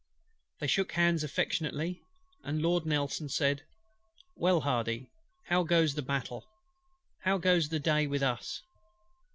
They shook hands affectionately, and Lord NELSON said: "Well, HARDY, how goes the battle? How goes the day with us?"